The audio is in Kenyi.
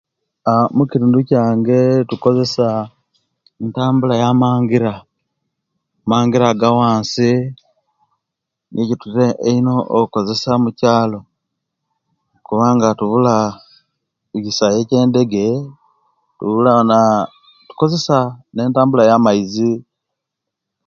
Aa mukitundu kyange tukozesa ntambula yamangira, mangira gawansi nigo egetutera okozesya eino omukyalo kubanga tubula kisawe kisawe kyendege tubula na tukozesa ne tambula ya'maizi